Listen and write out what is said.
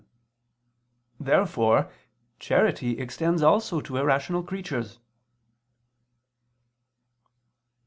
Therefore charity extends also to irrational creatures.